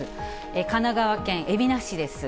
神奈川県海老名市です。